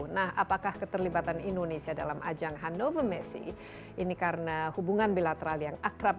nah apakah keterlibatan indonesia dalam ajang hanover messi ini karena hubungan bilateral yang akrab